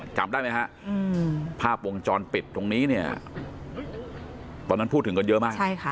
จำได้ไหมฮะภาพวงจรปิดตรงนี้เนี่ยตอนนั้นพูดถึงกันเยอะมาก